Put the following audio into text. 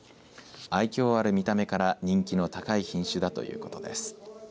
愛きょうある見た目から人気の高い品種だということです。